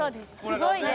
すごいね。